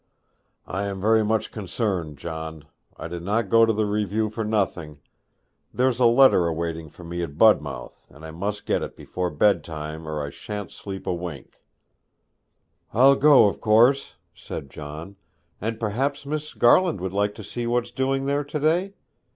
'I am very much concerned, John; I did not go to the review for nothing. There's a letter a waiting for me at Budmouth, and I must get it before bedtime, or I shan't sleep a wink.' 'I'll go, of course,' said John; 'and perhaps Miss Garland would like to see what's doing there to day?